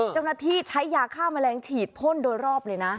เจ้าหน้าที่ใช้ยาฆ่าแมลงฉีดพ่นโดยรอบเลยนะ